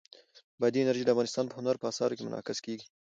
بادي انرژي د افغانستان په هنر په اثار کې منعکس کېږي.